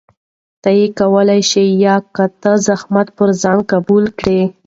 ته يې کولى شې يا که ته زحمت پر ځان قبول کړي؟